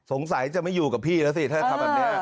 สงสัยจะไม่อยู่กับพี่แล้วสิถ้าทำแบบนี้